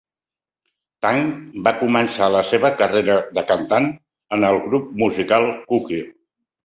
Tang va començar la seva carrera de cantant en el grup musical Cookies.